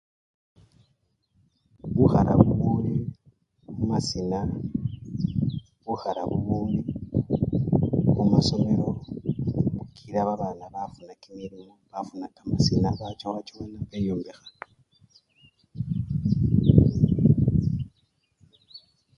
Bukhala bubuli mumasina bukhala bubuli mumasomelo, bukila babana bafuna kimilimo bafuna kamasina bachowachowana beyombekha.